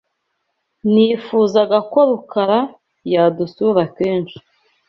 Nifuzaga ko Rukara yadusura kenshi.